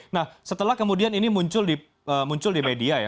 nah setelah kemudian ini muncul di media ya